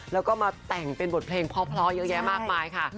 แล้วก็มาแต่งเป็นบทเพลงเพราะเยอะแยะมากมายค่ะ